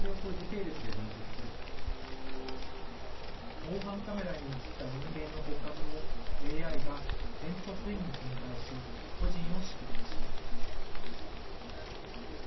防犯カメラに写った人間の骨格をＡＩが点と線に分解し、個人を識別します。